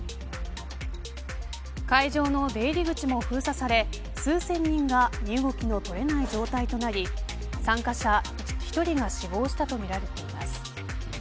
会場の出入り口も封鎖され数千人が身動きの取れない状態となり参加者１人が死亡したとみられています。